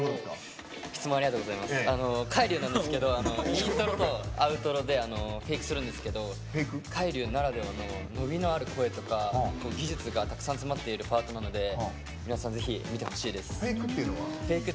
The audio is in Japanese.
イントロとアウトロでフェイクするんですけどＫＡＩＲＹＵならではの伸びのある声とか技術がたくさん詰まってるパートなので皆さん、ぜひ見てほしいです。